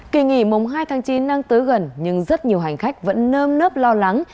kỳ nghỉ mùng hai tháng chín đang tới gần nhưng rất nhiều hành khách vẫn nơm nớp lo lắng